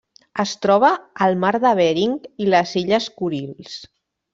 Es troba al mar de Bering i les illes Kurils.